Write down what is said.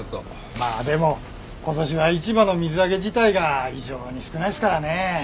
まあでも今年は市場の水揚げ自体が異常に少ないすからね。